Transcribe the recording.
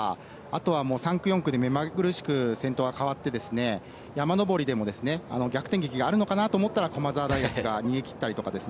３区、４区で目まぐるしく先頭が変わって、山上りでも逆転劇があるのかと思ったら、駒澤大学が逃げ切りました。